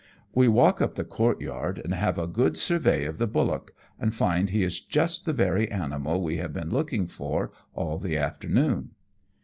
We walk up the court3'ard and have a good survey WE VISIT NAGASAKI TOWN. 177 of the bullock, and find he is just the very animal we have been looking for all the afternoon.